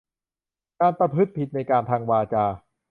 การประพฤติผิดในกาม ทางวาจา